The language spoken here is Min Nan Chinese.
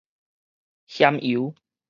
薟油